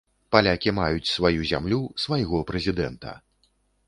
Палякі маюць сваю зямлю, свайго прэзідэнта.